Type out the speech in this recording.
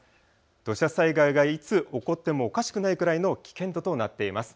土砂災害がいつ起こってもおかしくないくらいの危険度となっています。